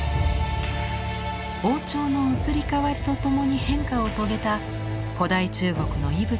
王朝の移り変わりとともに変化を遂げた古代中国の息吹を今に伝えています。